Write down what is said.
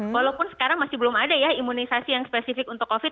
walaupun sekarang masih belum ada ya imunisasi yang spesifik untuk covid